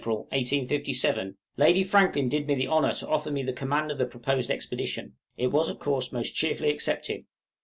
} On the 18th of April, 1857, Lady Franklin did me the honor to offer me the command of the proposed expedition; it was of course most cheerfully accepted.